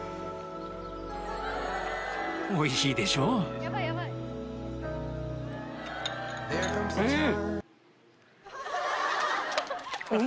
おいしいでしょう？